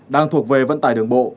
đang thuộc về vận tải đường bộ